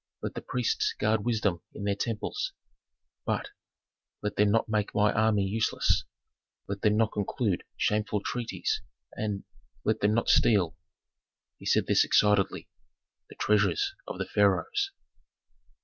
Let the priests guard wisdom in their temples, but let them not make my army useless, let them not conclude shameful treaties, and let them not steal," he said this excitedly, "the treasures of the pharaohs.